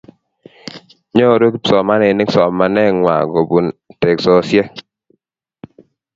Nyoru kipsomaninik somanet ngwai kobun teksosiek